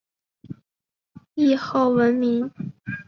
谥号文敏。